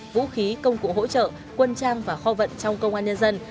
vũ khí công cụ hỗ trợ quân trang và kho vận trong công an nhân dân